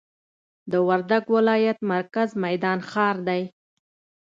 د وردګ ولایت مرکز میدان ښار دي.